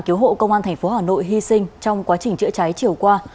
cứu hộ công an tp hà nội hy sinh trong quá trình chữa cháy chiều qua